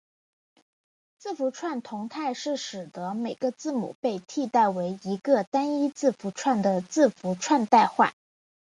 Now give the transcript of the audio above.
字符串同态是使得每个字母被替代为一个单一字符串的字符串代换。